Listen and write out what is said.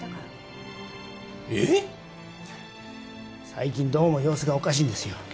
最近どうも様子がおかしいんですよ。